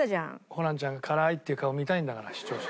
ホランちゃんが「辛ーい！」って言う顔見たいんだから視聴者。